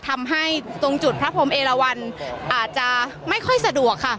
ทำให้ตรงจุดพระพรมเอลวันอาจจะไม่ค่อยสะดวกค่ะ